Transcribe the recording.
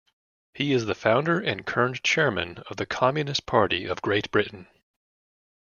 He is the founder and current Chairman of the Communist Party of Great Britain.